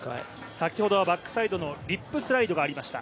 先ほどはバックサイドのリップスライドがありました。